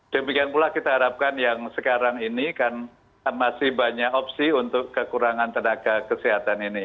demikian pula kita harapkan yang sekarang ini kan masih banyak opsi untuk kekurangan tenaga kesehatan ini